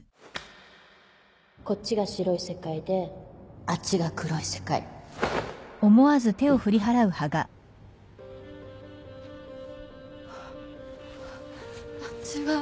こっちが白い世界であっちが黒い世界あっ違う。